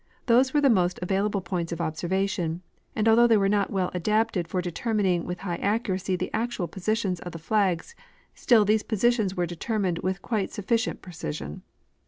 These Avere the most aA^ail able points of observation, and altliough they Avere not Avell adapted for determining Avith high accuracy the actual positions of the flags, still these positions Avere determined with quite suffi cient precision.